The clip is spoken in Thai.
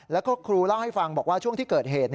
แล้วก็ครูเล่าให้ฟังบอกว่าช่วงที่เกิดเหตุ